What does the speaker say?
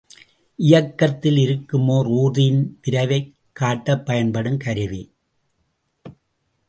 இயக்கத்தில் இருக்கும் ஒர் ஊர்தியின் விரைவைக் காட்டப் பயன்படுங் கருவி.